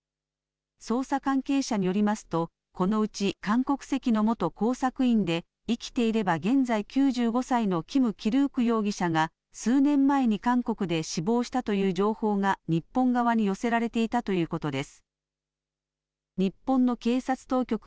捜査関係者によりますと、このうち韓国籍の元工作員で、生きていれば現在９５歳のキム・キルウク容疑者が数年前に韓国で死亡したという情報が日本側に寄せられていたということです。